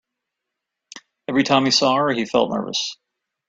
Every time he saw her, he felt nervous.